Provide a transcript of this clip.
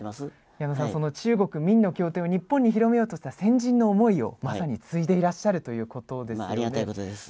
矢野さんは中国・明の経典を日本に広めようとした先人の思いをまさに継いでいらっしゃるということですよね。